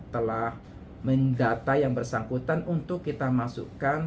telah mendata yang bersangkutan untuk kita masukkan